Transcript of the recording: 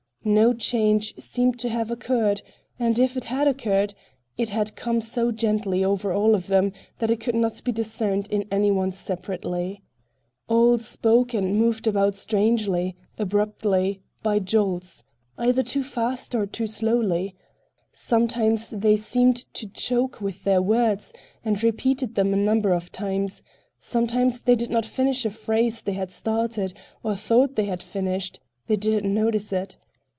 No change seemed to have occurred, and if it had occurred, it had come so gently over all of them that it could not be discerned in any one separately. All spoke and moved about strangely: abruptly, by jolts, either too fast or too slowly. Sometimes they seemed to choke with their words and repeated them a number of times; sometimes they did not finish a phrase they had started, or thought they had finished—they did not notice it.